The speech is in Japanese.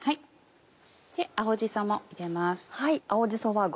青じそも入れます。